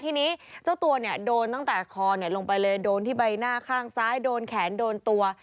ทีนี้เจ้าตัวเนี่ยโดนตั้งแต่คอลงไปเลยโดนที่ใบหน้าข้างซ้ายโดนแขนโดนตัว